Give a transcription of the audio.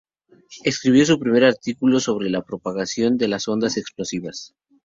Escribió su primer artículo sobre la propagación de las ondas explosivas.